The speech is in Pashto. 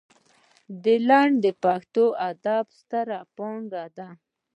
لنډۍ د پښتو ادب ستره پانګه ده.